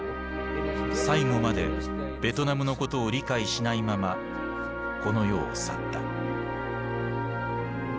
最後までベトナムのことを理解しないままこの世を去った。